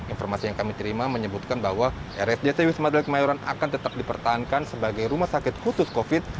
informasi yang kami terima menyebutkan bahwa rsdc wisma atlet kemayoran akan tetap dipertahankan sebagai rumah sakit khusus covid